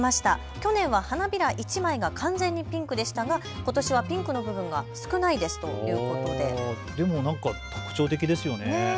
去年は花びら１枚が完全にピンクでしたがことしはピンクの部分が少ないですということで、でもなんか特徴的ですよね。